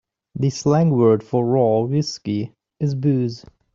The slang word for raw whiskey is booze.